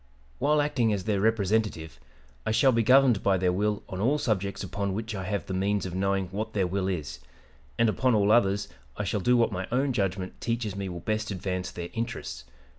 "While acting as their Representative, I shall be governed by their will on all subjects upon which I have the means of knowing what their will is; and upon all others I shall do what my own judgment teaches me will best advance their interests.